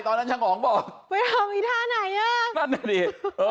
ตอนนั้นช่างหอมบอกไปทำอีกท่าไหนอ่ะนั่นแหละดิเออ